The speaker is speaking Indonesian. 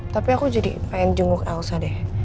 tapi aku jadi pengen jenguk elsa deh